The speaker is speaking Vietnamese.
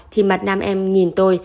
thì mặt nam em nhìn tôi